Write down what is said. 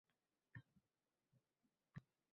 Bu qabrda qadrdon inson yotardi.